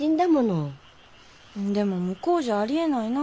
でも向こうじゃありえないな。